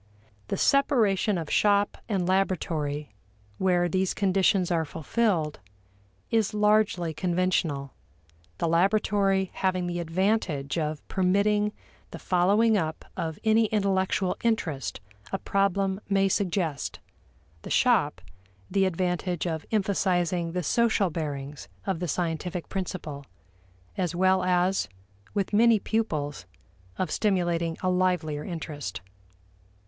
The separation of shop and laboratory, where these conditions are fulfilled, is largely conventional, the laboratory having the advantage of permitting the following up of any intellectual interest a problem may suggest; the shop the advantage of emphasizing the social bearings of the scientific principle, as well as, with many pupils, of stimulating a livelier interest.